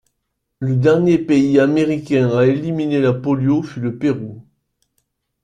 Le dernier pays américain à éliminer la polio fut le Pérou.